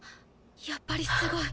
やっぱりすごい。